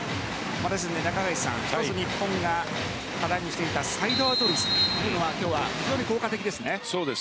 中垣内さん日本が課題にしていたサイドアウト率というのは今日は非常に効果的ですね。